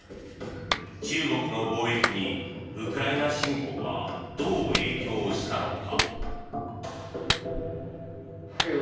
中国の貿易に、ウクライナ侵攻はどう影響したのか。